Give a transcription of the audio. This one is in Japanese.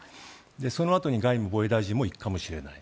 そのあとに外務・防衛大臣も行くかもしれない。